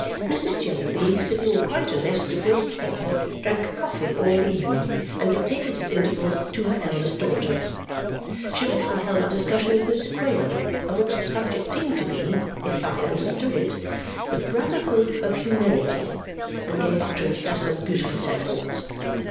Mrs. Jellyby, sitting in quite a nest of waste paper, drank coffee all the evening and dictated at intervals to her eldest daughter. She also held a discussion with Mr. Quale, of which the subject seemed to be if I understood it the brotherhood of humanity, and gave utterance to some beautiful sentiments.